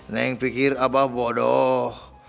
neng pikir abah bodoh